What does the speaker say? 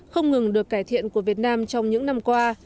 không ngừng được cải thiện của việt nam trong những năm qua